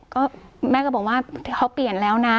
ก็แม่ก็บอกว่าเขาเปลี่ยนแล้วนะ